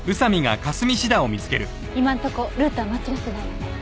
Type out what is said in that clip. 今のとこルートは間違ってないようね。